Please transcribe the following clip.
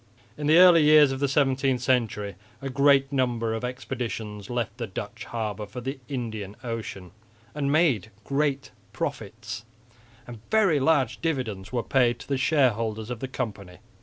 In the early years of the seventeenth century a large number of expeditions left the Dutch harbours for the Indian Ocean and made great profits; and very large dividends were paid to the shareholders of the company.